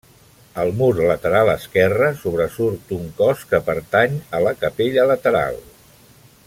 Al mur lateral esquerre sobresurt un cos que pertany a la capella lateral.